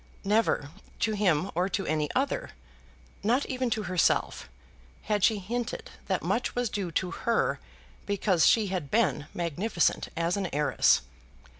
Never to him or to any other, not even to herself, had she hinted that much was due to her because she had been magnificent as an heiress.